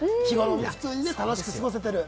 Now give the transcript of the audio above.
日頃楽しく過ごせてる。